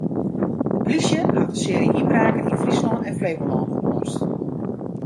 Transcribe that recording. De polysje hat in searje ynbraken yn Fryslân en Flevolân oplost.